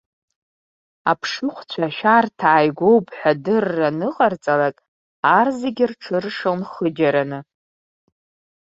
Аԥшыхәцәа ашәарҭа ааигәоуп ҳәа адырра аныҟарҵалак, ар зегьы рҽыршон хыџьараны.